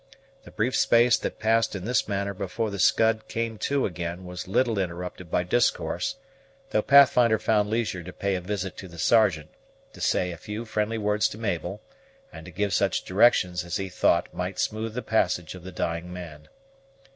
The brief space that passed in this manner before the Scud came to again was little interrupted by discourse, though Pathfinder found leisure to pay a visit to the Sergeant, to say a few friendly words to Mabel, and to give such directions as he thought might smooth the passage of the dying man.